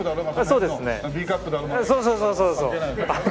そうそうそうそう。